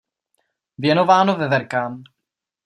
Věnováno Veverkám.